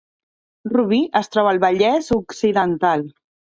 Rubí es troba al Vallès Occidental